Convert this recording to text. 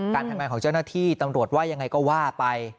การทำงานของเจ้าหน้าที่ตำรวจว่ายังไงก็ว่าไป